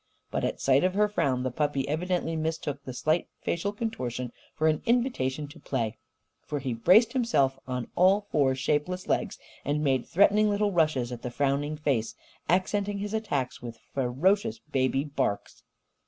But at sight of her frown the puppy evidently mistook the slight facial contortion for an invitation to play, for he braced himself on all four shapeless legs and made threatening little rushes at the frowning face, accenting his attacks with ferocious baby barks.